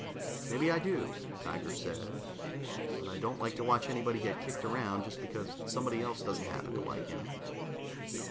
"Maybe I do," Tiger said, "but I don't like to watch anybody get kicked around just because somebody else doesn't happen to like him."